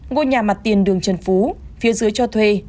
ngôi nhà mặt tiền đường trần phú phía dưới cho thuê